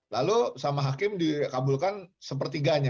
lalu sama hakim dikabulkan sepertiganya